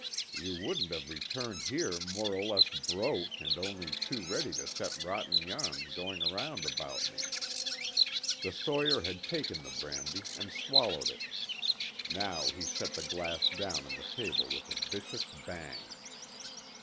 You wouldn't have returned here more or less broke and only too ready to set rotten yarns going around about me." The sawyer had taken the brandy and swallowed it. Now he set the glass down on the table with a vicious bang.